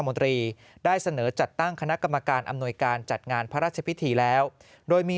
มนตรีได้เสนอจัดตั้งคณะกรรมการอำนวยการจัดงานพระราชพิธีแล้วโดยมี